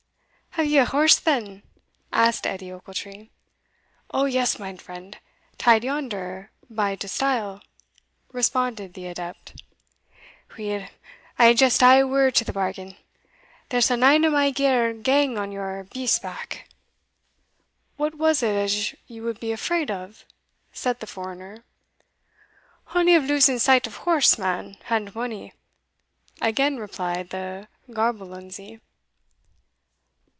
"Have you a horse here, then?" asked Edie Ochiltree. "O yes, mine friend tied yonder by de stile," responded the adept. "Weel, I hae just ae word to the bargain there sall nane o' my gear gang on your beast's back." "What was it as you would be afraid of?" said the foreigner. "Only of losing sight of horse, man, and money," again replied the gaberlunzie.